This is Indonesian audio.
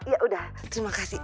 yaudah terima kasih